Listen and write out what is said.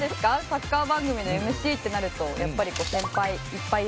サッカー番組のＭＣってなるとやっぱり先輩いっぱい